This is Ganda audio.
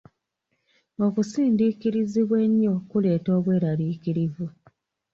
Okusindiikirizibwa ennyo kuleeta obweraliikirivu.